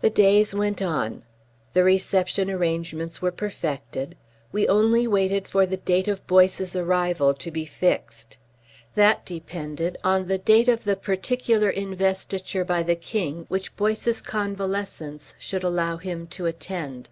The days went on. The reception arrangements were perfected. We only waited for the date of Boyce's arrival to be fixed. That depended on the date of the particular Investiture by the King which Boyce's convalescence should allow him to attend.